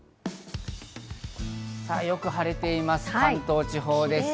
よく晴れています、関東地方です。